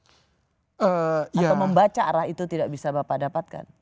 atau membaca arah itu tidak bisa bapak dapatkan